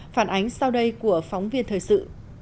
phản ánh sau đây của phóng viên thời sự